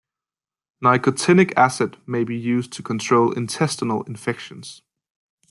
Nicotinic acid may be used to control intestinal infections.